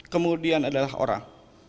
kemudian adalah orang